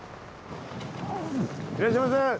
いらっしゃいませ。